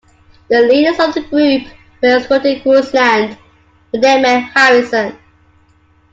The leaders of the group were escorted to Grouseland, where they met Harrison.